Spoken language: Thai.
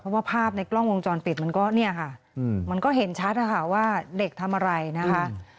เพราะว่าภาพในกล้องวงจรปิดมันก็เนี่ยค่ะมันก็เห็นชัดนะคะว่าเด็กทำอะไรนะคะ